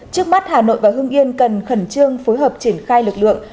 trước mắt hà nội và hưng yên cần khẩn trương phối hợp triển khai lực lượng